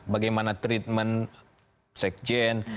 bagaimana treatment sekjen